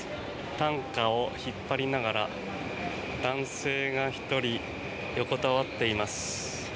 担架を引っ張りながら男性が１人横たわっています。